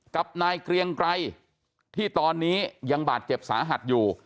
กับนายเกรียงไกรที่ตอนนี้ยังบาดเจ็บสาหัสอยู่